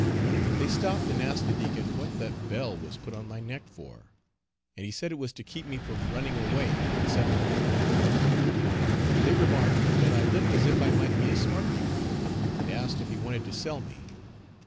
They stopped and asked the Deacon what that bell was put on my neck for? and he said it was to keep me from running away, &c. They remarked that I looked as if I might be a smart negro, and asked if he wanted to sell me.